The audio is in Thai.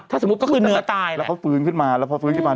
ถ้าสมมุติก็คือเนื้อตายแล้วเขาฟื้นขึ้นมาแล้วพอฟื้นขึ้นมา